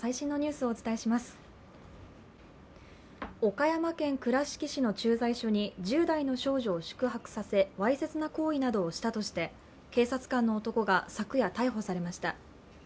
岡山県倉敷市の駐在所に１０代の少女を宿泊させわいせつな行為などをしたとして警察官の男が昨夜逮捕されました。